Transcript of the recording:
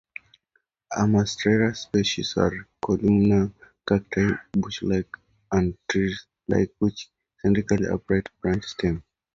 "Armatocereus" species are columnar cacti, bushlike or treelike, with cylindrical upright branched stems.